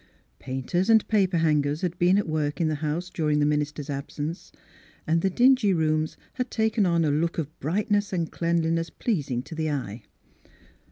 Painters and paper hangers had been at work in the house during the minister's absence, and the dingy rooms had taken on a look of brightness and cleanhness pleasing to the eye.